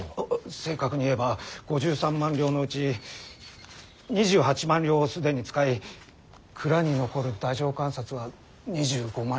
正確に言えば５３万両のうち２８万両を既に使い蔵に残る太政官札は２５万両だ。